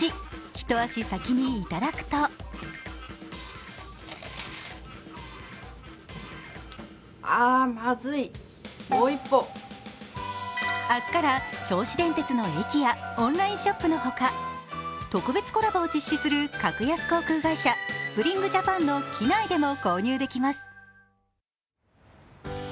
一足先にいただくと明日から銚子電鉄の駅やオンラインショップのほか、特別コラボを実施する格安航空会社、スプリング・ジャパンの機内でも購入できます。